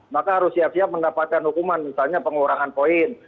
maka harus siap siap mendapatkan hukuman misalnya pengurangan poin